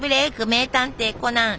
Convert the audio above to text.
「名探偵コナン」